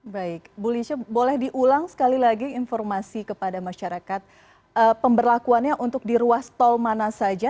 baik bu lisha boleh diulang sekali lagi informasi kepada masyarakat pemberlakuannya untuk di ruas tol mana saja